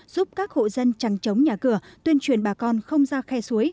giúp các hộ dân chẳng chống nhà cửa tuyên truyền bà con không ra khe suối